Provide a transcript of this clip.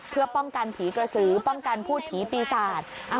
เพื่อป้องกันผีกระสือป้องกันพูดผีปีศาจ